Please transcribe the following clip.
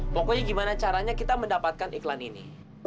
pokoknya gimana caranya kita mendapatkan iklan ini